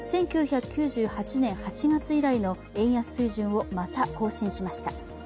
１９９８年８月以来の円安水準をまた更新しました。